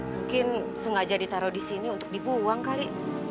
mungkin sengaja ditaruh di sini untuk dibuang kali